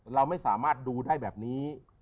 เราไม่สามารถดูได้แบบนี้